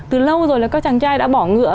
từ lâu rồi là các chàng trai đã bỏ ngựa